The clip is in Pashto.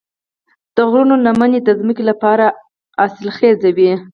د غرونو لمنې د ځمکې لپاره حاصلخیزې وي.